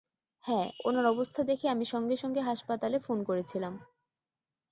হ্যাঁ, ওনার অবস্থা দেখে আমি সঙ্গে সঙ্গে হাসপাতালে ফোন করেছিলাম।